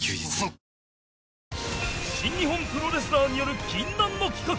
あふっ新日本プロレスラーによる禁断の企画